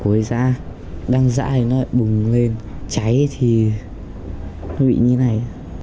cối giã đang dãi nó bùng lên cháy thì bị nhiễm